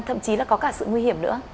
thậm chí là có cả sự nguy hiểm nữa